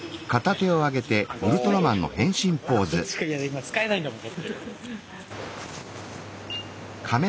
今使えないんだもん。